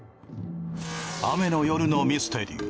雨の夜のミステリー。